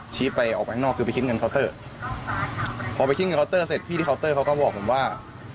ไปออกไปข้างนอกคือไปคิดเงินเคาน์เตอร์พอไปคิดเงินเคาน์เตอร์เสร็จพี่ที่เคาน์เตอร์เขาก็บอกผมว่า